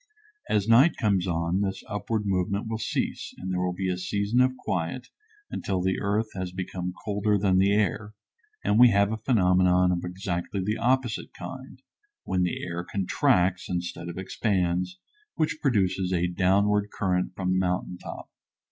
As night comes on this upward movement will cease and there will be a season of quiet until the earth has become colder than the air, and we have a phenomenon of exactly the opposite kind, when the air contracts instead of expands, which produces a downward current from the mountain top.